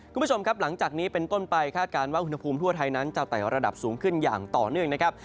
คุณผู้ชมครับหลังจากนี้เป็นต้นไปคาดการณ์ว่าอุณหภูมิทั่วไทยนั้นจะไต่ระดับสูงขึ้นอย่างต่อเนื่องนะครับ